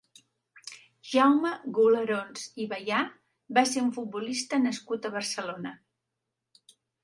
Jaume Gularons i Bayà va ser un futbolista nascut a Barcelona.